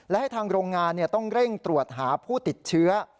และให้ทางโรงงานต้องเร่งตรวจหาผู้ติดเชื้อ